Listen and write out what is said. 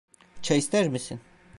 Çay ister misin?